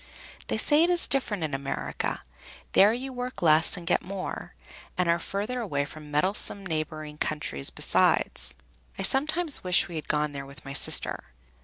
They say it is different in America; there you work less and get more, and are farther away from meddlesome neighboring countries besides. I sometimes wish we had gone there with my sister.